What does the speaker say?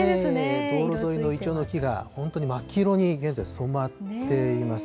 道路上のいちょうの木が、本当に真っ黄色に現在、染まっています。